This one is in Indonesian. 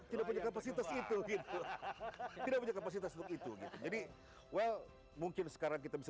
tidak punya kapasitas itu gitu tidak punya kapasitas untuk itu gitu jadi well mungkin sekarang kita bisa